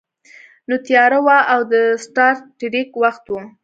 نو تیاره وه او د سټار ټریک وخت و